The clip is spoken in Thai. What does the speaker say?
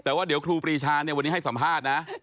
แต่ว่าเดี๋ยวครูปรีชาเนี่ยวันนี้ให้สัมภาษณ์นะ